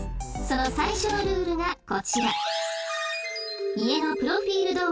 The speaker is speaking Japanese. その最初のルールがこちら。